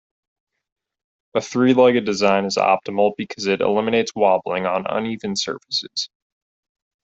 A three-legged design is optimal because it eliminates wobbling on uneven surfaces.